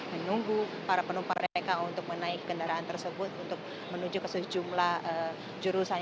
menunggu para penumpang mereka untuk menaiki kendaraan tersebut untuk menuju ke sejumlah jurusan yang berada di sana